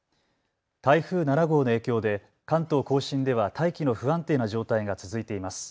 台風７号の影響で、関東甲信では大気の不安定な状態が続いています。